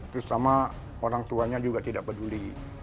terus sama orang tuanya juga tidak peduli